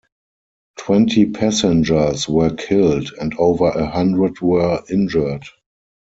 Twenty passengers were killed and over a hundred were injured.